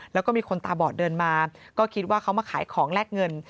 แล้วก็มีคนตาบอดเดินมาก็คิดว่าเขามาขายของแลกเงิน